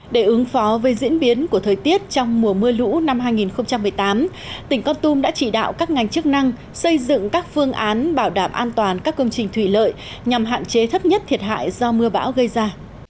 để ứng phó với diễn biến của thời tiết trong mùa mưa lũ năm hai nghìn một mươi tám tỉnh con tum đã chỉ đạo các ngành chức năng xây dựng các phương án bảo đảm an toàn các công trình thủy lợi nhằm hạn chế thấp nhất thiệt hại do mưa bão gây ra